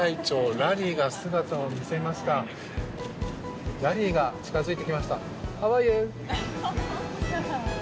ラリーが近付いてきました。